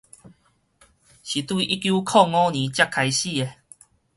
是對一九五〇年才開始的